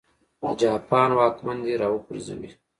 د جاپان واکمن دې را وپرځوي.